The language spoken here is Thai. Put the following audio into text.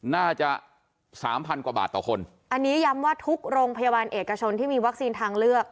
น่าจะสามพันกว่าบาทต่อคนอันนี้ย้ำว่าทุกโรงพยาบาลเอกชนที่มีวัคซีนทางเลือก